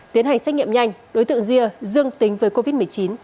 tiến hành xét nghiệm nhanh đối tượng ria dương tính với covid một mươi chín